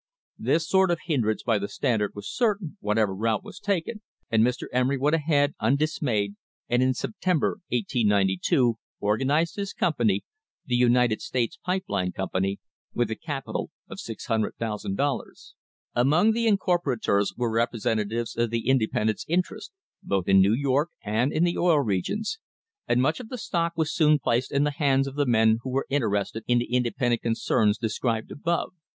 This sort of hindrance by the Standard was certain, whatever route was taken, and Mr. Emery went ahead undismayed, and in September, 1892, A MODERN WAR FOR INDEPENDENCE organised his company the United States Pipe Line Com pany with a capital of $600,000. Among the incorporators were representatives of the independents' interests, both in New York and in the Oil Regions, and much of the stock was soon placed in the hands of the men who were inter ested in the independent concerns described above.